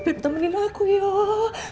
biar temenin aku yoo